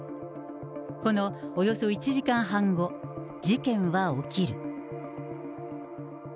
このおよそ１時間半後、事件は起きる。